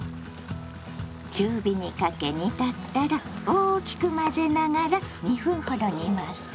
中火にかけ煮立ったら大きく混ぜながら２分ほど煮ます。